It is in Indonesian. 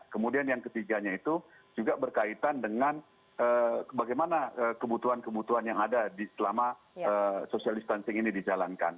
kemudian yang ketiganya itu juga berkaitan dengan bagaimana kebutuhan kebutuhan yang ada selama social distancing ini dijalankan